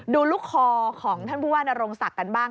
ดูลูกคอของท่านผู้ว่านโรงศักดิ์กันบ้าง